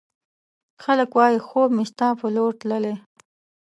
خلګ وايي، خوب مې ستا په لورې تللی